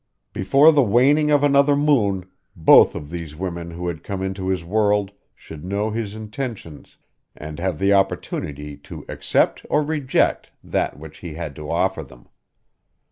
Before the waning of another moon both of these women who had come into his world should know his intentions and have the opportunity to accept or reject that which he had to offer them.